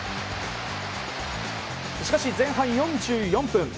しかし前半４４分。